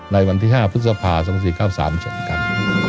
ในวันที่๕พฤษภา๒๔๙๓เช่นกัน